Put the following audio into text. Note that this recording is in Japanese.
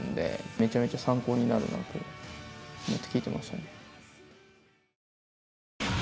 めちゃめちゃ参考になるなと思って聴いてましたね。